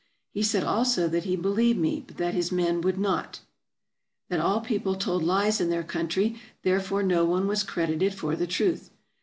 He said also that he believed me, but that his men would not ; that all people told lies in their country, therefore no one was credited for the truth.